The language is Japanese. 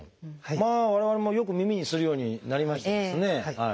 まあ我々もよく耳にするようになりましたですね。